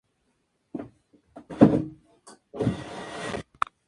Ripley nació en la ciudad de Nueva York y estudió en la St.